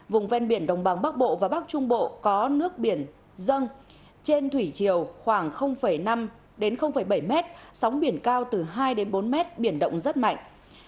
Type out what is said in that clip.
vùng ven biển đồng bằng bắc bộ và bắc trung bộ có nước biển dâng trên thủy chiều khoảng năm đến bảy mét sóng biển cao từ hai đến bốn mét biển động rất mạnh